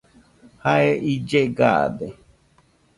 Jae ille gaade.